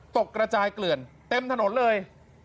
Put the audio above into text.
กระจายเกลื่อนเต็มถนนเลย